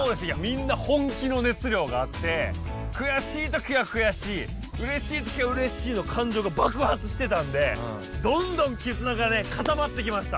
みんな本気のねつりょうがあってくやしいときはくやしいうれしいときはうれしいのかんじょうがばくはつしてたんでどんどんきずながかたまってきました。